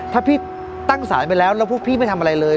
ถ้าพี่ตั้งศาลไปแล้วแล้วพวกพี่ไม่ทำอะไรเลย